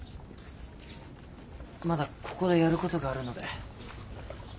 まだここでやることがあるので。